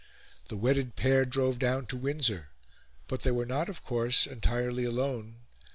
The wedded pair drove down to Windsor; but they were not, of course, entirely alone.